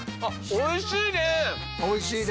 おいしい。